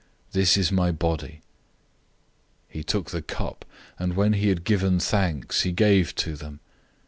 This is my body." 014:023 He took the cup, and when he had given thanks, he gave to them.